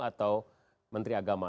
atau menteri agama